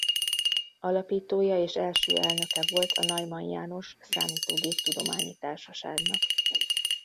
Alapítója és első elnöke volt a Neumann János Számítógép-tudományi Társaságnak.